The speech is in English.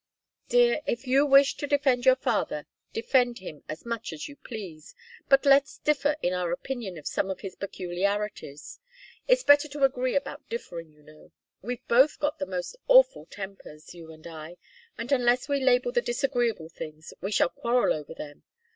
"Dear if you wish to defend your father, defend him as much as you please. But let's differ in our opinion of some of his peculiarities. It's better to agree about differing, you know. We've both got the most awful tempers, you and I, and unless we label the disagreeable things, we shall quarrel over them.